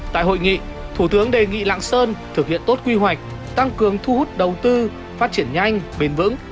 tại hội nghị thủ tướng đề nghị lạng sơn thực hiện tốt quy hoạch tăng cường thu hút đầu tư phát triển nhanh bền vững